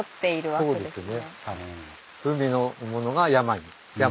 そうですね。